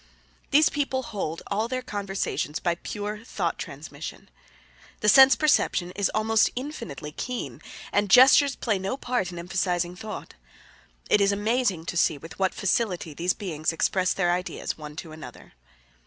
These people hold all their conversation by pure thought transmission. The sense perception is almost infinitely keen, and gestures play no part in emphasizing thought. It is amazing to see with what facility these beings express their ideas one to another.